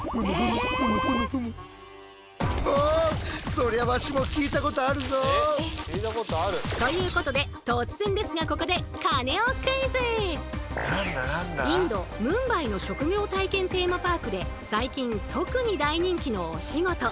そしてということで突然ですがここでインド・ムンバイの職業体験テーマパークで最近特に大人気のお仕事